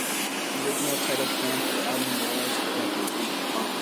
The original title planned for the album was "Decades".